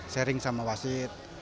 sering sama wasit